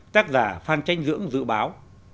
tác giả phan tranh dưỡng dự báo